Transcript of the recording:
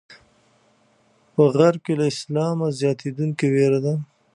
په غرب کې له اسلامه زیاتېدونکې وېره ده.